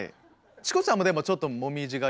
チコちゃんもでもちょっともみじがり。